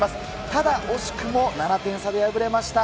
ただ、惜しくも７点差で敗れました。